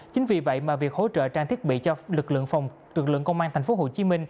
chính vì vậy mà việc hỗ trợ trang thiết bị cho lực lượng công an tp hcm